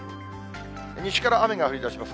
西から雨が降りだします。